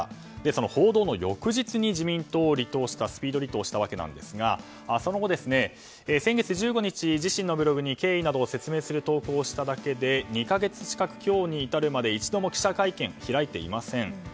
その報道の翌日に自民党をスピード離党したわけですがその後、先月１５日自身のブログに経緯などを説明する投稿をしただけで２か月近く今日に至るまで一度も記者会見を開いていません。